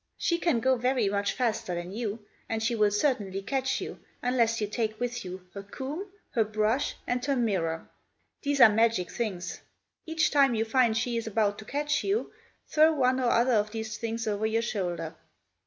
She can go very much faster than you, and she will certainly catch you unless you take with you her comb, her brush, and her mirror. These are magic things. Each time you find she is about to catch you, throw one or other of these things over your shoulder.